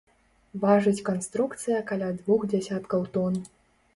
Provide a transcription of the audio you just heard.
Важыць канструкцыя каля двух дзясяткаў тон.